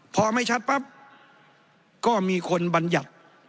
พอไม่ชัดปั๊บก็มีคนบรรยัติ